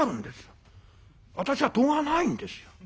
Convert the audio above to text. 私は「十」がないんですよ。